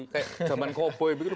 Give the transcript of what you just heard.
kayak zaman cowboy begitu